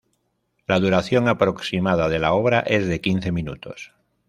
La duración aproximada de la obra es de quince minutos.